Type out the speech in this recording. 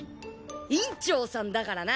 委員長さんだからな。